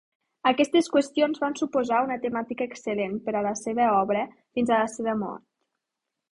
Aquestes qüestions van suposar una temàtica excel·lent per a la seva obra fins a la seva mort.